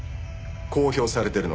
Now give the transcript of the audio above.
公表されているのはな。